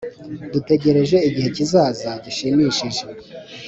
Dutegereje igihe kizaza gishimishije